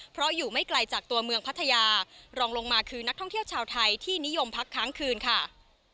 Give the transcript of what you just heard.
เพราะอยู่ไม่ไกลจากตัวเมืองพัทยารองลงมาคือนักท่องเที่ยวชาวไทยที่นิยมพักค้างคืนค่ะ